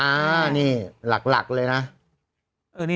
อันนี้หลักเลยนะ